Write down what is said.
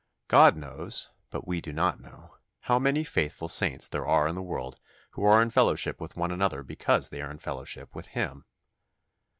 God knows, but we do not know, how many faithful saints there are in the world who are in fellowship with one another because they are in fellowship with Him.